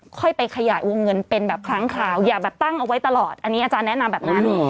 ค่อยไปขยายวงเงินเป็นแบบครั้งคราวอย่าแบบตั้งเอาไว้ตลอดอันนี้อาจารย์แนะนำแบบนั้น